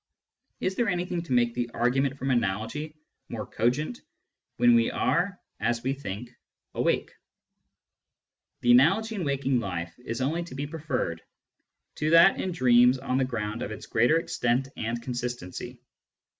Is there anything to make the argument from analogy more cogent when we are (as we think) awake ? The analogy in waking life is only to be preferred to that in dreams on the ground of its greater extent and consistency.